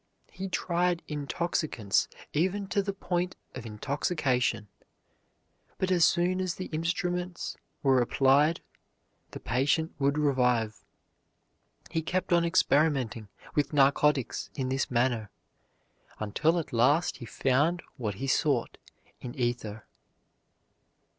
He tried intoxicants even to the point of intoxication, but as soon as the instruments were applied the patient would revive. He kept on experimenting with narcotics in this manner until at last he found what he sought in ether.